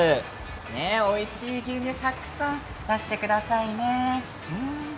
おいしい牛乳をたくさん出してくださいね。